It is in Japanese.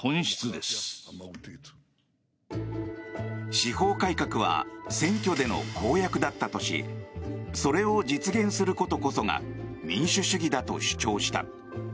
司法改革は選挙での公約だったとしそれを実現することこそが民主主義だと主張した。